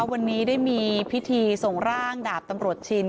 วันนี้ได้มีพิธีส่งร่างดาบตำรวจชิน